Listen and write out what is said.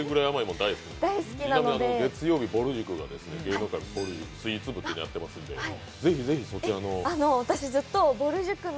月曜日、ぼる塾が芸能界スイーツ部をやっていますので、ぜひぜひ、そちらの。